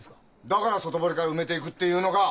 だから外堀から埋めていくっていうのか？